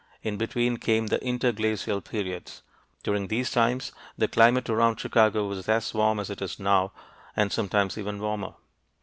In between came the interglacial periods. During these times the climate around Chicago was as warm as it is now, and sometimes even warmer.